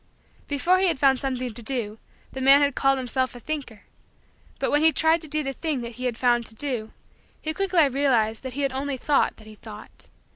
Before he had found something to do the man had called himself a thinker. But when he tried to do the thing that he had found to do, he quickly realized that he had only thought that he thought.